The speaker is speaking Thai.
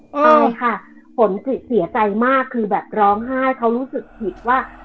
ใช่ค่ะฝนคือเสียใจมากคือแบบร้องไห้เขารู้สึกผิดว่า